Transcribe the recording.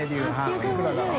これいくらだろう？